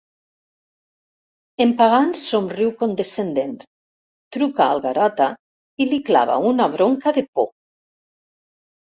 En Pagans somriu condescendent, truca al Garota i li clava una bronca de por.